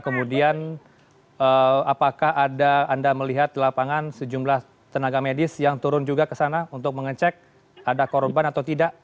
kemudian apakah ada anda melihat di lapangan sejumlah tenaga medis yang turun juga ke sana untuk mengecek ada korban atau tidak